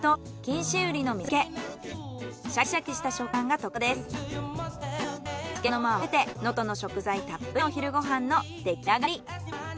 お漬物も合わせて能登の食材たっぷりのお昼ご飯の出来上がり。